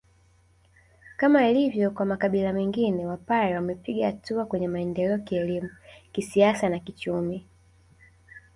Kama ilivyo kwa makabila mengine wapare wamepiga hatua kwenye maendeleo kielimu kisiasa na kichumi